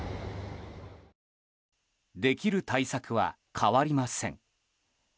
できる対策は変わりません。